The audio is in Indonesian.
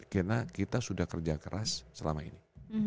karena kita sudah kerja keras selama ini